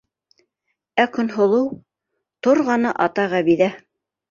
Ә Көнһылыу - торғаны ата Ғәбиҙә.